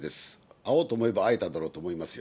会おうと思えば会えただろうと思いますよ。